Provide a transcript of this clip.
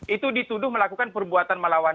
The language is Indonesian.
itu dituduh melakukan perbuatan melawan